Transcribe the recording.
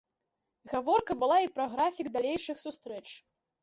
Гаворка была і пра графік далейшых сустрэч.